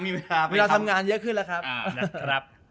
มีเวลาทำงานเยอะขึ้นนะครับ